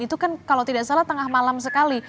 itu kan kalau tidak salah tengah malam sekali